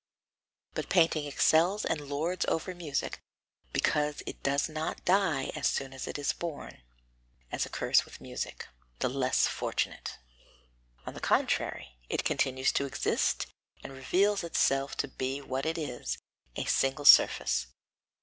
But painting excels and lords over music because it does not die as soon as it is born, as occurs with music, the less fortunate; on the contrary, it continues to exist and reveals itself to be what it is, a single surface.